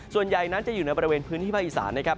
ส่วนใหญ่นั้นจะอยู่ในบริเวณพื้นที่ภาคอีสานนะครับ